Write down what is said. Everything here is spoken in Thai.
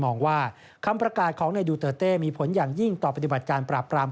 มองว่าคำประกาศของนายดูเตอร์เต้มีผลอย่างยิ่งต่อปฏิบัติการปราบปราม